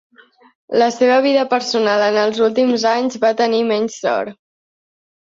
La seva vida personal en els últims anys va tenir menys sort.